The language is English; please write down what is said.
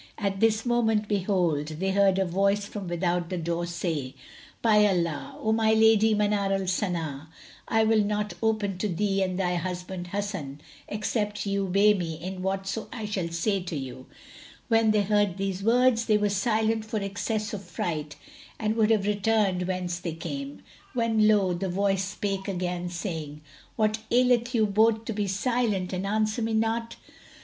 At this moment, behold, they heard a voice from without the door say, "By Allah, O my lady Manar al Sana, I will not open to thee and thy husband Hasan, except ye obey me in whatso I shall say to you!" When they heard these words they were silent for excess of fright and would have returned whence they came; when lo! the voice spake again saying, "What aileth you both to be silent and answer me not?"